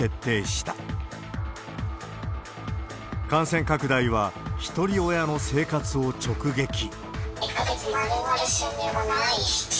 感染拡大は、ひとり親の生活を直撃。